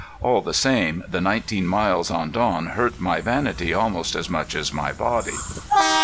All the same the nineteen miles on Don hurt my vanity almost as much as my body.